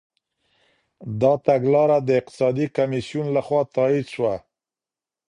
دا تګلاره د اقتصادي کميسيون لخوا تاييد سوه.